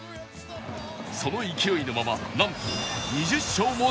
その勢いのままなんと２０勝も達成